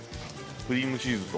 クリームチーズと。